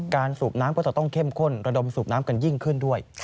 สูบน้ำก็จะต้องเข้มข้นระดมสูบน้ำกันยิ่งขึ้นด้วย